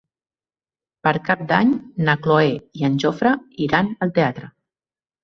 Per Cap d'Any na Cloè i en Jofre iran al teatre.